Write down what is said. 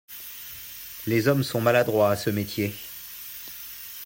Les hommes sont maladroits à ce métier.